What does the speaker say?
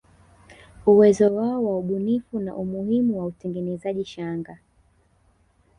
Uwezo wao wa ubunifu na umuhimu wa utengenezaji shanga